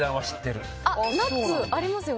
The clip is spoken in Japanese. ナッツありますよ